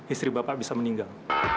istri bapak bisa meninggal